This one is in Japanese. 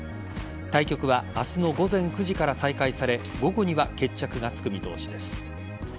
対局は明日の午前９時から再開され午後には決着がつく見通しです。